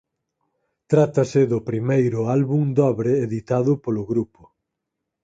Trátase do primeiro álbum dobre editado polo grupo.